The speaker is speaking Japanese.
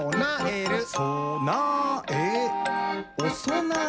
「そなえおそなえ！」